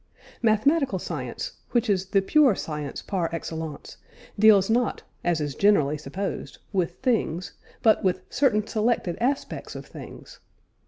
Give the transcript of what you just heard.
Mathematical science (which is the "pure" science par excellence) deals not as is generally supposed with "things," but with certain selected aspects of things.